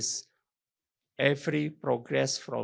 semua kemajuan dari ems